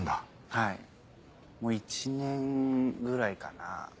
はいもう１年ぐらいかな。